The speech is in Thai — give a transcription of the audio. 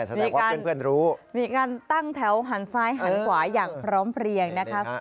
ดีกว่าเพื่อนรู้มีการตั้งแถวหันซ้ายหันขวาอย่างพร้อมเพลียงนะคะ